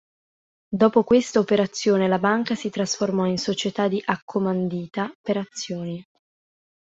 Dopo questa operazione la banca si trasformò in società in accomandita per azioni.